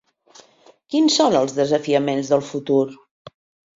Quins són els desafiaments del futur?